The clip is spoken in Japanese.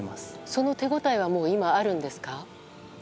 その手応えは今あるんですか？